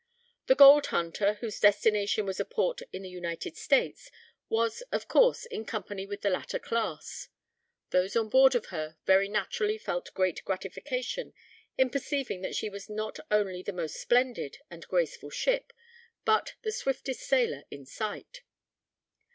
The Gold Hunter, whose destination was a port in the United States, was, of course, in company with the latter class. Those on board of her very naturally felt great gratification in perceiving that she was not only the most splendid and graceful ship, but the swiftest sailor in sight.